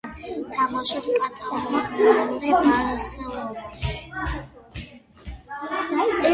თამაშობს კატალონიურ „ბარსელონაში“.